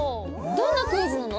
どんなクイズなの？